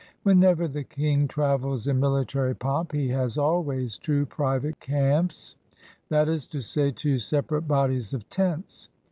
Whenever the king travels in military pomp he has always two private camps; that is to say, two separate bodies of tents.